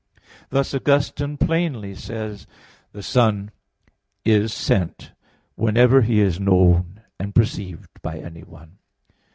Thus Augustine plainly says (De Trin. iv, 20): "The Son is sent, whenever He is known and perceived by anyone."